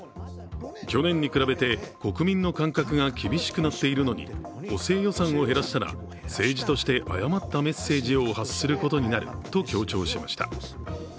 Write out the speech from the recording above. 去年に比べて国民の感覚が厳しくなっているのに補正予算を減らしたら政治として誤ったメッセージを発することになると強調しました。